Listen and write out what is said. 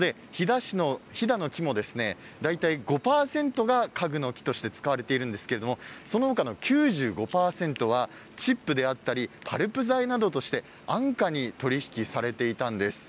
飛騨の木も、大体５％が家具の木として使われているんですけどその他の９５％はチップであったりパルプ材などとして安価に取り引きされていたんです。